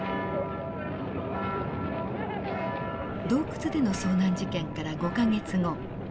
洞窟での遭難事件から５か月後。